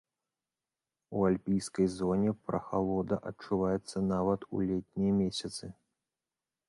У альпійскай зоне прахалода адчуваецца нават у летнія месяцы.